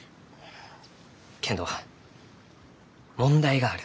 けんど問題がある。